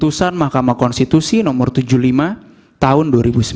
putusan mahkamah konstitusi nomor tujuh puluh lima tahun dua ribu sembilan